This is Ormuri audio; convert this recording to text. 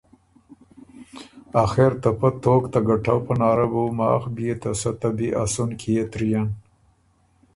آخر ته پۀ طوق ته ګټؤ پناره بُو بيې ماخ ته سۀ ته بی ا سُن کيې تريېن؟“